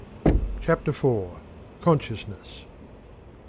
CHAPTER IV. Consciousness.